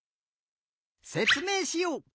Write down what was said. せつめいしよう。